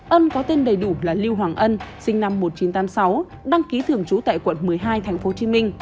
ân có tên đầy đủ là lưu hoàng ân sinh năm một nghìn chín trăm tám mươi sáu đăng ký thường trú tại quận một mươi hai tp hcm